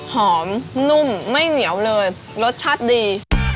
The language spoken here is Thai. หอมนุ่มไม่เหนียวเลยรสชาติดี